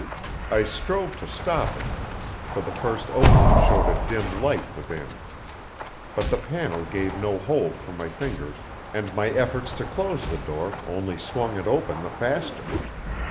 I strove to stop it, for the first opening showed a dim light within. But the panel gave no hold for my fingers, and my efforts to close the door only swung it open the faster.